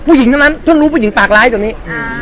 ผู้หญิงเท่านั้นเพิ่งรู้ผู้หญิงปากร้ายตรงนี้